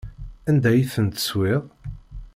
Anda ay ten-teswiḍ?